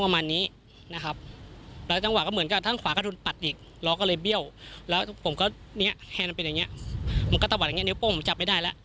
มันก็ตะวัดอย่างเงี้ยนิ้วโป้งผมจับไม่ได้แล้ว